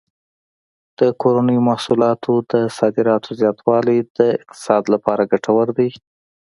د کورنیو محصولاتو د صادراتو زیاتوالی د اقتصاد لپاره ګټور دی.